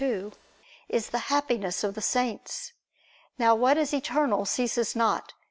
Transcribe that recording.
2), is the Happiness of the saints. Now what is eternal ceases not.